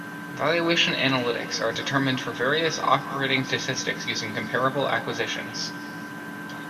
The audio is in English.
Valuation analytics are determined for various operating statistics using comparable acquisitions.